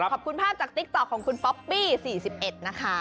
ขอบคุณภาพจากติ๊กต๊อกของคุณป๊อปปี้๔๑นะคะ